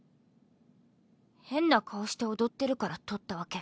変な顔して踊ってるから撮ったわけ？